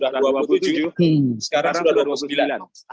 sudah dua puluh tujuh sekarang sudah dua puluh sembilan